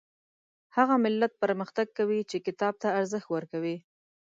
هغه ملت پرمختګ کوي چې کتاب ته ارزښت ورکوي